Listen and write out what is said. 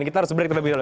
kita harus break dulu